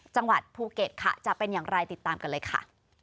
จังหวัดภูเก็ตค่ะจะเป็นอย่างไรติดตามกันเลยค่ะ